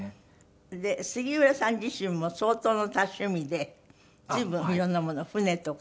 杉浦さん自身も相当の多趣味で随分色んなもの船とか。